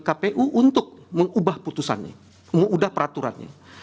kpu untuk mengubah putusannya mengubah peraturannya